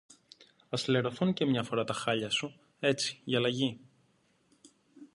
Ας λερωθούν και μια φορά τα χαλιά σου, έτσι, για αλλαγή.